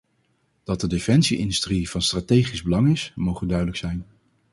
Dat de defensie-industrie van strategisch belang is, moge duidelijk zijn.